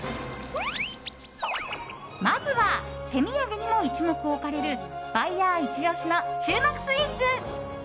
まずは、手土産にも一目置かれるバイヤーイチ押しの注目スイーツ。